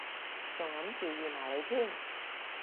仲諗住預埋你添